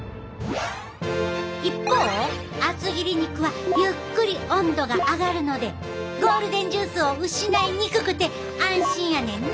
一方厚切り肉はゆっくり温度が上がるのでゴールデンジュースを失いにくくて安心やねんな！